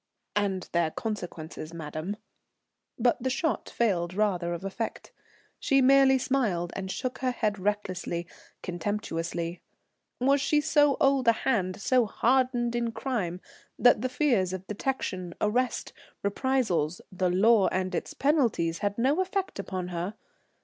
"And their consequences, madam," but the shot failed rather of effect. She merely smiled and shook her head recklessly, contemptuously. Was she so old a hand, so hardened in crime, that the fears of detection, arrest, reprisals, the law and its penalties had no effect upon her?